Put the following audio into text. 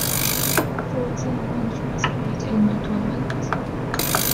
Fourteen countries played in the tournament.